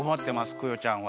クヨちゃんは。